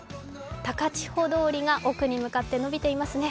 高千穂通りが奥に向かって伸びていますね。